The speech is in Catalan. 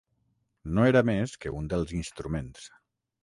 No era més que un dels instruments.